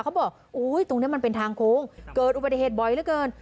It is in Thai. เขาบอกโอ้ยตรงนี้มันเป็นทางโค้งเกิดอุบัติเหตุบ่อยเหลือเกิน